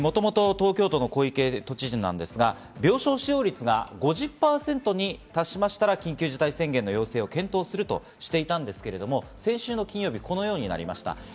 東京都の小池都知事ですが、病床使用率が５０％に達したら緊急事態宣言の要請を検討するとしていたんですが、先週金曜日、このようになりました。